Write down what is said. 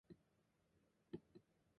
Later, in collaboration with J.